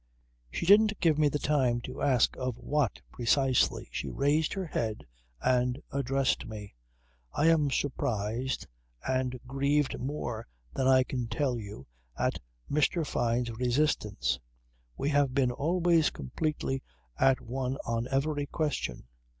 She didn't give me the time to ask of what precisely. She raised her head and addressed me. "I am surprised and grieved more than I can tell you at Mr. Fyne's resistance. We have been always completely at one on every question.